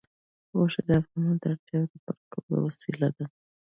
غوښې د افغانانو د اړتیاوو د پوره کولو وسیله ده.